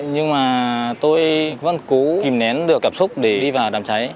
nhưng mà tôi vẫn cố kìm nén được cảm xúc để đi vào đàm cháy